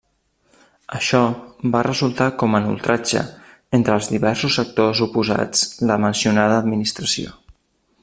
Això va resultar com en ultratge entre els diversos sectors oposats la mencionada administració.